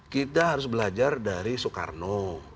kita harus belajar dari soekarno